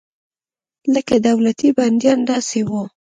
لکه دولتي بندیان داسې وو.